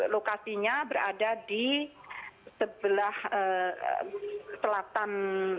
lokasinya berada di sebelah selatan